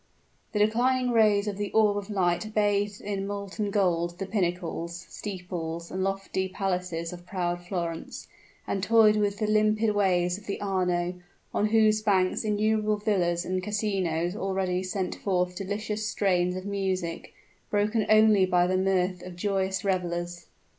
The declining rays of the orb of light bathed in molten gold the pinnacles, steeples, and lofty palaces of proud Florence, and toyed with the limpid waves of the Arno, on whose banks innumerable villas and casinos already sent forth delicious strains of music, broken only by the mirth of joyous revelers.